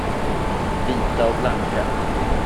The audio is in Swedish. Vita och blanka.